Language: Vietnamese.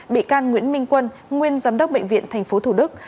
bị can nguyễn minh quân nguyên giám đốc bệnh viện tp thủ đức